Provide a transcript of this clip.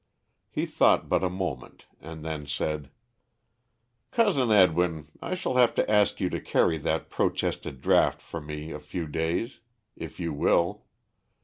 He thought but a moment and then said: "Cousin Edwin, I shall have to ask you to carry that protested draft for me a few days if you will.